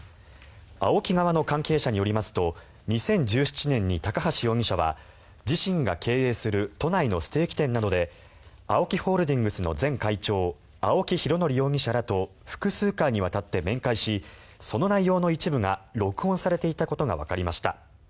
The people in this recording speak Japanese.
ＡＯＫＩ側の関係者によりますと２０１７年に高橋容疑者は自身が経営する都内のステーキ店などでＡＯＫＩホールディングスの前会長、青木拡憲容疑者らと複数回にわたって面会しその内容の一部が録音されていたことがわかりました。